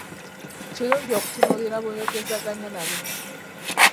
Kirungi okutunuulira b'oyogezaganya nabo.